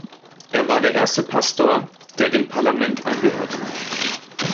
Er war der erste Pastor, der dem Parlament angehörte.